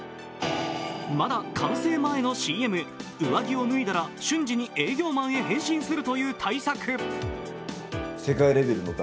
まだ完成前のＣＭ上着を脱いだら瞬時に営業マンへ変身するという大作。